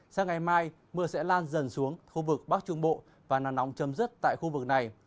sang ngày mai mưa sẽ lan dần xuống khu vực bắc trung bộ và nắng nóng chấm dứt tại khu vực này